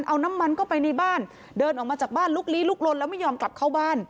เอาน้ำมันเข้าไปในบ้านเดินออกมาจากบ้านลุกลี้ลุกลนแล้วไม่ยอมกลับเข้าบ้าน